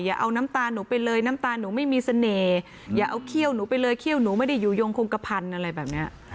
อย่าเอาน้ำตาหนูไปเลยน้ำตาหนูไม่มีเสน่ห์อย่าเอาเขี้ยวหนูไปเลยเขี้ยวหนูไม่ได้อยู่ยงคงกระพันธุ์อะไรแบบนี้